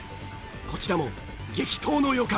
こちらも激闘の予感。